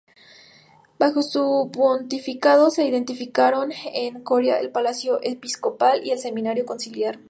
Bajo su pontificado se edificaron en Coria el Palacio Episcopal y el Seminario Conciliar.